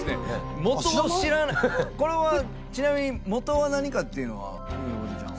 これはちなみに元は何かっていうのはゆめぽてちゃんは。